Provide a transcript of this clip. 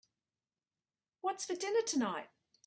What's for dinner tonight?